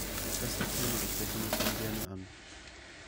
Das erkenne ich der Kommission gerne an.